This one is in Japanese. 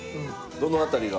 どの辺りが？